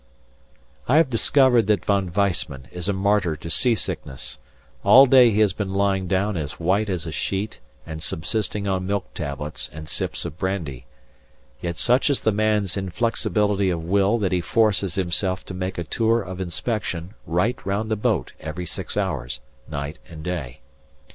"] I have discovered that Von Weissman is a martyr to sea sickness all day he has been lying down as white as a sheet and subsisting on milk tablets and sips of brandy; yet such is the man's inflexibility of will that he forces himself to make a tour of inspection right round the boat every six hours, night and day.